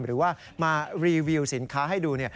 หรือว่ามารีวิวสินค้าให้ดู